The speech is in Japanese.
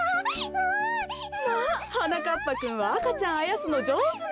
まあはなかっぱくんは赤ちゃんあやすのじょうずね。